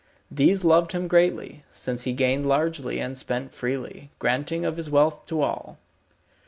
These loved him greatly, since he gained largely and spent freely, granting of his wealth to all.